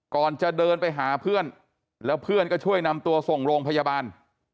ก่อนจะเดินไปหาเพื่อนแล้วเพื่อนก็ช่วยนำตัวส่งโรงพยาบาล